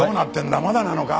まだなのか？